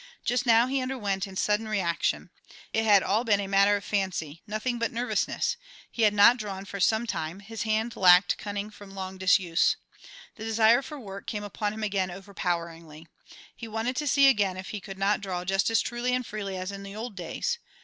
Just now he underwent a sudden reaction. It had all been a matter of fancy, nothing but nervousness; he had not drawn for some time, his hand lacked cunning from long disuse. The desire for work came upon him again overpoweringly. He wanted to see again if he could not draw just as truly and freely as in the old days.